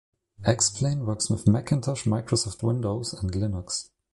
X-Plane works with Macintosh, Microsoft Windows, and Linux.